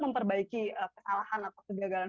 memperbaiki kesalahan atau kegagalan